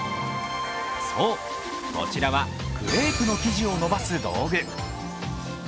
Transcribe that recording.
そう、こちらはクレープの生地を伸ばす道具。